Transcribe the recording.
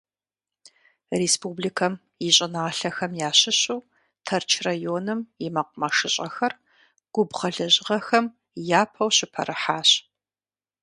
Республикэм и щӏыналъэхэм ящыщу Тэрч районым и мэкъумэшыщӏэхэр губгъуэ лэжьыгъэхэм япэу щыпэрыхьащ.